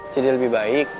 jadi lebih baik